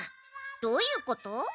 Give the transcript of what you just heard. どういうこと？